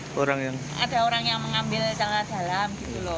suruh rekam kalau ada orang yang mengambil celana dalam